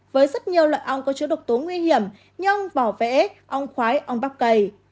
với rất nhiều loại ong có chứa độc tố nguy hiểm như ông vỏ vẽ ong khoái ong bắp cây